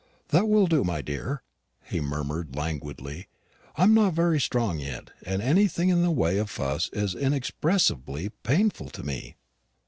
"That will do, my dear," he murmured languidly; "I'm not very strong yet, and anything in the way of fuss is inexpressibly painful to me.